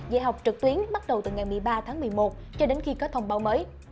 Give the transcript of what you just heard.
dạy học trực tuyến bắt đầu từ ngày một mươi ba tháng một mươi một cho đến khi có thông báo mới